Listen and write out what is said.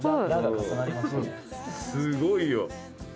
すごいよ。